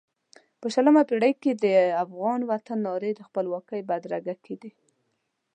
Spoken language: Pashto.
په شلمه پېړۍ کې د افغان وطن نارې د خپلواکۍ بدرګه کېدې.